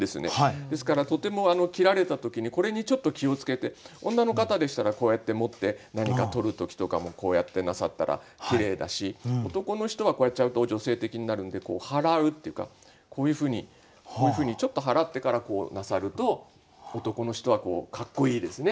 ですからとても着られた時にこれにちょっと気を付けて女の方でしたらこうやって持って何か取る時とかもこうやってなさったらきれいだし男の人はこうやっちゃうと女性的になるんで払うっていうかこういうふうにこういうふうにちょっと払ってからなさると男の人はかっこいいですね。